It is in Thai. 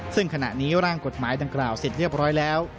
ซึ่งขณะนี้ร่างกฎหมายดังกล่าวเสร็จเรียบร้อยแล้ว